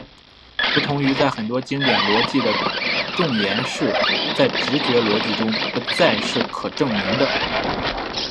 不同在于很多经典逻辑的重言式在直觉逻辑中不再是可证明的。